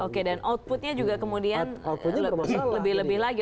oke dan outputnya juga kemudian lebih lebih lagi